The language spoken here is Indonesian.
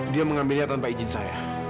dia mengambilnya tanpa izin saya